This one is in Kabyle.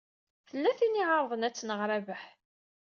Tella tin iɛerḍen ad tneɣ Rabaḥ.